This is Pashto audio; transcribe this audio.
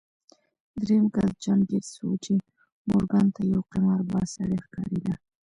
درېيم کس جان ګيټس و چې مورګان ته يو قمارباز سړی ښکارېده.